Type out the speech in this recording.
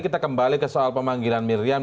kita kembali ke soal pemanggilan miriam